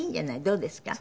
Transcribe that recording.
どうですか？